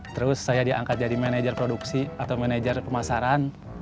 terus saya diangkat jadi manajer produksi atau manajer pemasaran